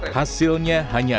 hasilnya hanya ada